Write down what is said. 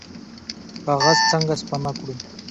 کاغذ څنګه سپما کړو؟